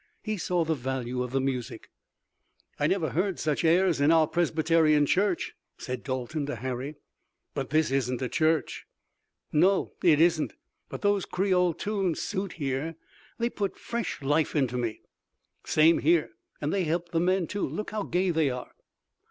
He saw the value of the music. "I never heard such airs in our Presbyterian church," said Dalton to Harry. "But this isn't a church." "No, it isn't, but those Creole tunes suit here. They put fresh life into me." "Same here. And they help the men, too. Look how gay they are."